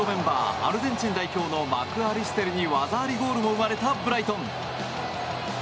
アルゼンチン代表のマクアリステルに技ありゴールも生まれたブライトン。